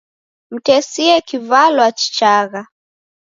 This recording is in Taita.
Mtesie kivalwa chichagha.